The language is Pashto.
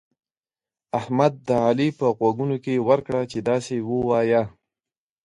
احمد د علي په غوږو کې ورکړه چې داسې ووايه.